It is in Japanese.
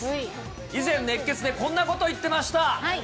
以前、熱ケツでこんなこと言ってました。